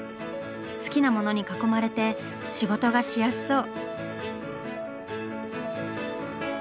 好きな物に囲まれて仕事がしやすそう。